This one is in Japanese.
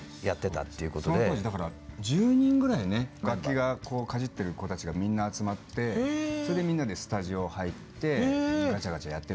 その当時１０人ぐらい楽器をかじってる子たちがみんな集まってそれでみんなでスタジオ入ってガチャガチャやってたんですよね。